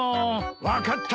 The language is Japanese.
分かった！